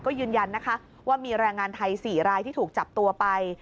ก็ยืนยันนะคะว่ามีแรงงานไทย๔รายที่ถูกจับตัวไป